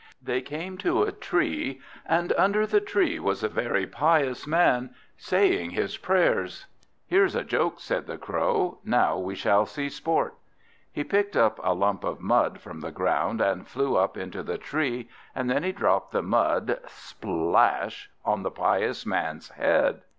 They came to a tree, and under the tree was a very pious man, saying his prayers. "Here's a joke," said the Crow. "Now we shall see sport." He picked up a lump of mud from the ground, and flew up into the tree, and then he dropped the mud, splash, on the pious man's head.